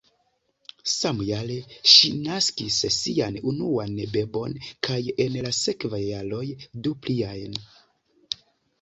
Samjare ŝi naskis sian unuan bebon kaj en la sekvaj jaroj du pliajn.